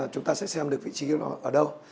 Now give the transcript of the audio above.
chúng ta sẽ xem được vị trí nó ở đâu